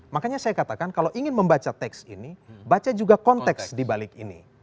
makanya saya katakan kalau ingin membaca teks ini baca juga konteks dibalik ini